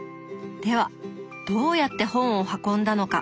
ではどうやって本を運んだのか。